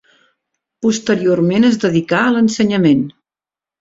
Posteriorment es dedicà a l'ensenyament.